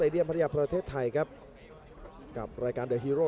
โดยฮีโร่โดยฮีโร่